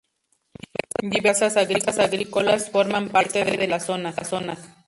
Diversas terrazas agrícolas forman parte del paisaje de la zona.